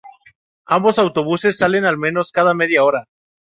Ambos autobuses salen al menos cada media hora.